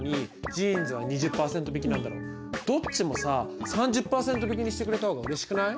どっちもさ３０％引きにしてくれた方がうれしくない？